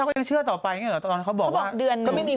อ๋อเป็นเหตุผลแบบนี้